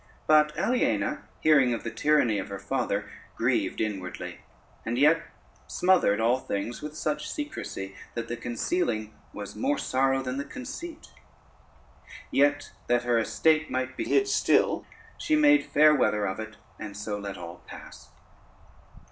But Aliena, hearing of the tyranny of her father, grieved inwardly, and yet smothered all things with such secrecy, that the concealing was more sorrow than the conceit; yet that her estate might be hid still, she made fair weather of it, and so let all pass.